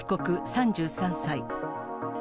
３３歳。